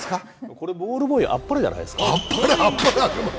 これ、ボールボーイあっぱれじゃないですか？